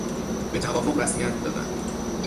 به توافق رسمیت دادن